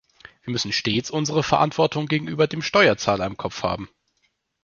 Wir müssen stets unsere Verantwortung gegenüber dem Steuerzahler im Kopf haben.